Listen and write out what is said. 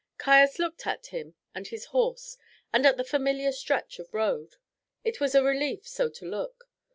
Caius looked at him and his horse, and at the familiar stretch of road. It was a relief so to look.